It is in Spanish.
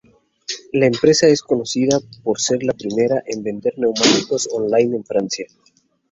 La empresa es conocida por ser la primera en vender neumáticos online en Francia.